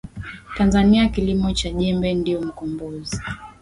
Tanzania kilimo cha Jembe ndio mkombozi